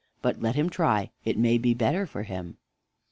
But let him try; it may be better for him."